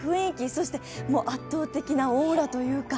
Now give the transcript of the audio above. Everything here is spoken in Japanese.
そして、圧倒的なオーラというか。